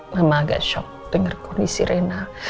mama agak shock dengar kondisi rena